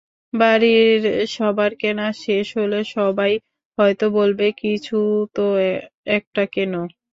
বাড়ির সবার কেনা শেষ হলে সবাই হয়তো বলবে কিছুতো একটা কেনো।